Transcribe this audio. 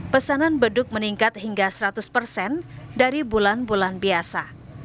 pesanan beduk meningkat hingga seratus persen dari bulan bulan biasa